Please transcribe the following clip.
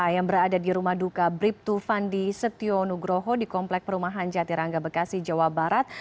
yang berada di rumah duka bribtu fandi setio nugroho di komplek perumahan jatirangga bekasi jawa barat